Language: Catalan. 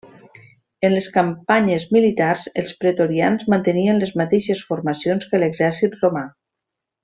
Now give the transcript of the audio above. En les campanyes militars, els pretorians mantenien les mateixes formacions que l'exèrcit romà.